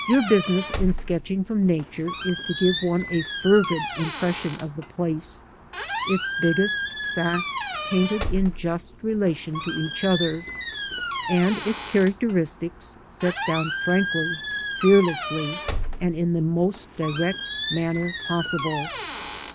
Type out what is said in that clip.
Your business in sketching from Nature is to give one a fervid impression of the place, its biggest facts painted in just relation to each other, and its characteristics set down frankly, fearlessly and in the most direct manner possible.